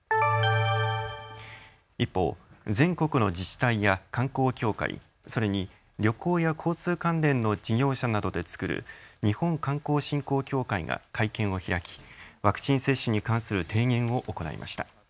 一方、全国の自治体や観光協会、それに旅行や交通関連の事業者などで作る日本観光振興協会が会見を開きワクチン接種に関する提言を行いました。